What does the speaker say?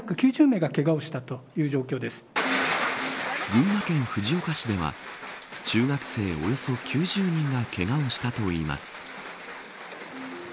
群馬県藤岡市では中学生およそ９０人がけがをしたといいます。